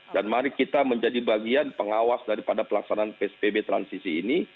dan mari kita menjadi bagian pengawas daripada pelaksanaan pspb transisi ini